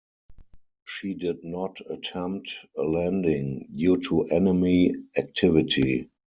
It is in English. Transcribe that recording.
She did not attempt a landing due to enemy activity.